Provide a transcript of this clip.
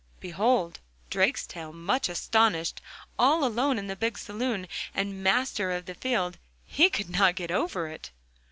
Behold Drakestail much astonished, all alone in the big saloon and master of the field. He could not get over it.